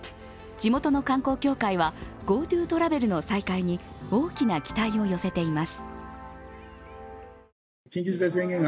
地元の観光協会はＧｏＴｏトラベルの再開に大きな期待を寄せています。